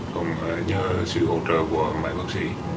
không nhờ sự hỗ trợ của mấy bác sĩ